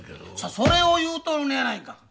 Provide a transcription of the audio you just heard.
それを言うとるのやないか！